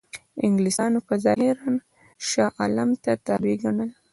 انګلیسانو په ظاهره شاه عالم ته تابع ګڼل.